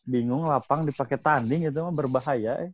bingung lapang dipake tanding gitu mah berbahaya